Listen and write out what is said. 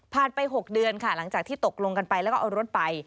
ไป๖เดือนค่ะหลังจากที่ตกลงกันไปแล้วก็เอารถไป